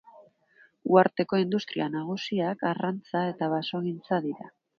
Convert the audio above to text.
Uharteko industria nagusiak arrantza eta basogintza dira.